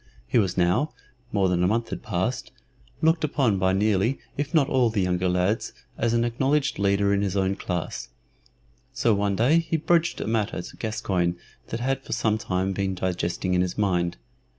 He was now (more than a month had passed) looked upon by nearly if not all of the younger lads as an acknowledged leader in his own class. So one day he broached a matter to Gascoyne that had for some time been digesting in his mind.